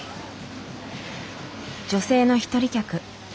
女性の一人客。